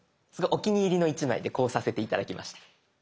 お気に入りの一枚でこうさせて頂きました。